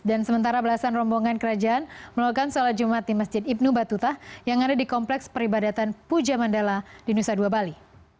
dan sementara belasan rombongan kerajaan melakukan sholat jumat di masjid ibnu batuta yang ada di kompleks peribadatan puja mandala di nusa dua bali